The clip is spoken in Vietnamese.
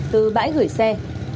từ bãi gửi xe